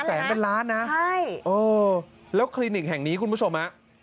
เป็นแสงเป็นล้านนะโอ้โฮแล้วคลินิกแห่งนี้คุณผู้ชม